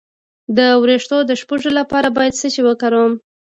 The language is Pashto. د ویښتو د شپږو لپاره باید څه شی وکاروم؟